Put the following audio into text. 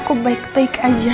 aku baik baik aja